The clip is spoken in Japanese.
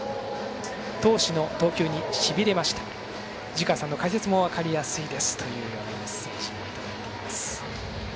闘志の投球にしびれました藤川さんの解説も分かりやすいですというメッセージいただいています。